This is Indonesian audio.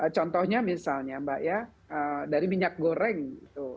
contohnya misalnya mbak ya dari minyak goreng gitu